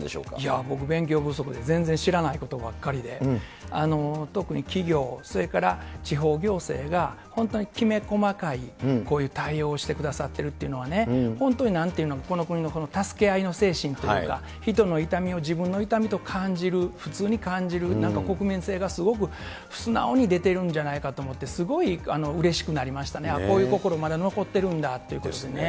僕勉強不足で全然知らないことばっかりで、特に企業、それから地方行政が本当にきめ細かい、こういう対応してくださっているというのはね、本当になんていうの、この国の助け合いの精神というか、人の痛みを自分の痛みと感じる、普通に感じる、なんか国民性がすごく素直に出てるんじゃないかと思って、すごいうれしくなりましたね、あっ、こういう心、まだ残ってるんだということですよね。